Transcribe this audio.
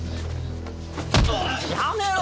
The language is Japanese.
やめろ。